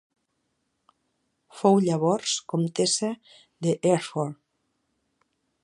Fou llavors comtessa de Hereford.